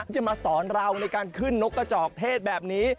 จะมาสอนเราในการขึ้นนกกระจอกเทศแบบนี้